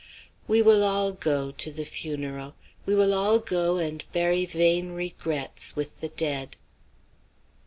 We will all go" to the funeral "we will all go and bury vain regrets with the dead."